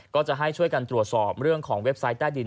ก็จะให้ช่วยกันตรวจสอบเรื่องของเว็บไซต์ใต้ดิน